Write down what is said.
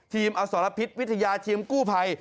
อสรพิษวิทยาทีมกู้ภัย